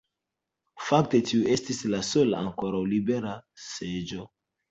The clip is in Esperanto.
Fakte tiu estis la sola ankoraŭ libera seĝo.